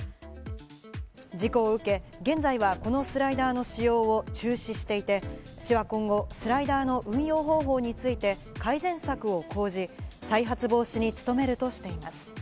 事故を受け、現在はこのスライダーの使用を中止していて、市は今後、スライダーの運用方法について改善策を講じ、再発防止に努めるとしています。